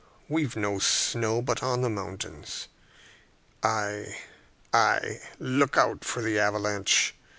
We've no snow but on the mountains. Ay, ay; look out for the avalanche.